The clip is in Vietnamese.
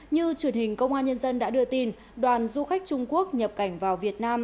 như truyền hình công an nhân dân đã đưa tin đoàn du khách trung quốc nhập cảnh vào việt nam